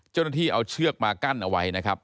เจ้าหน้าที่เอาเชือกมากั้นเอาไว้นะครับ